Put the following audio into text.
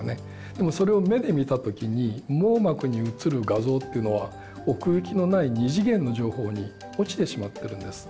でもそれを目で見た時に網膜に映る画像っていうのは奥行きのない２次元の情報に落ちてしまってるんです。